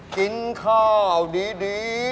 กินข้าวดีดีกว่า